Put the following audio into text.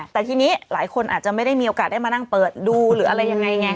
แต่ทีนี้หลายคนอาจจะไม่ได้มีโอกาสได้มานั่งเปิดดูหรืออะไรยังไงไง